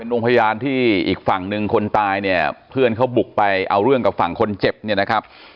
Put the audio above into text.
โรงพยาบาลที่อีกฝั่งหนึ่งคนตายเนี่ยเพื่อนเขาบุกไปเอาเรื่องกับฝั่งคนเจ็บเนี่ยนะครับ